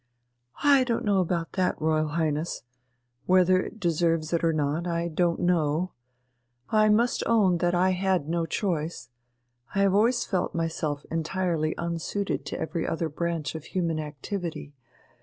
"I don't know about that, Royal Highness. Whether it deserves it or not, I don't know. I must own that I had no choice. I have always felt myself entirely unsuited to every other branch of human activity.